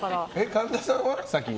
神田さんは先に？